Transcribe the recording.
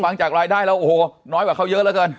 ฟังจากรายได้แล้วโอ้โหน้อยกว่าเขาเยอะเหลือเกิน